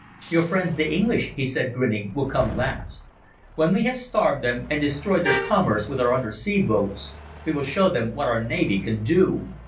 "Your friends the English," he said grinning, "will come last. When we have starved them and destroyed their commerce with our under sea boats we will show them what our navy can do.